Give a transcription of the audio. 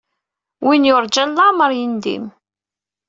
Win yurǧan leɛmeṛ yendim.